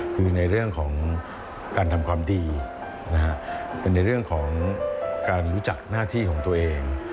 คือในเรื่องของการทำความดีนะฮะเป็นในเรื่องของการรู้จักหน้าที่ของตัวเอง